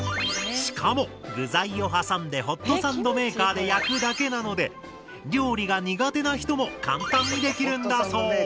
しかも具材を挟んでホットサンドメーカーで焼くだけなので料理が苦手な人も簡単にできるんだそう。